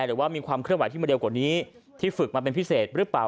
หรือว่ามีความเคลื่อนไหวที่มาเร็วกว่านี้ที่ฝึกมาเป็นพิเศษหรือเปล่า